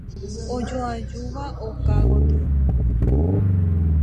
Ojoajúva oka gotyo.